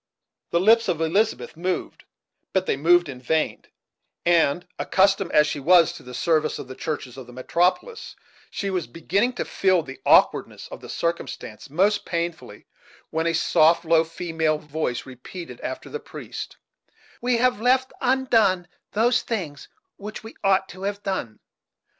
The lips of Elizabeth moved, but they moved in vain and accustomed as she was to the service of the churches of the metropolis, she was beginning to feel the awkwardness of the circumstance most painfully when a soft, low female voice repeated after the priest, "We have left undone those things which we ought to have done."